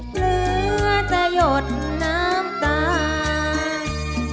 เหลือจะหยดน้ำตาย